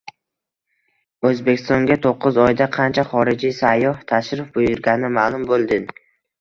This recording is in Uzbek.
O‘zbekistonga to‘qqiz oyda qancha xorijiy sayyoh tashrif buyurgani ma’lum bo‘lding